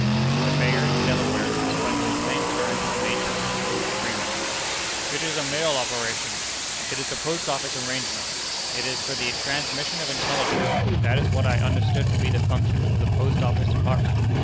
Mr. Bayard, of Delaware, explained in the same terms the nature of the proposed agreement: "It is a mail operation. It is a Post Office arrangement. It is for the transmission of intelligence, and that is what I understood to be the function of the Post Office Department.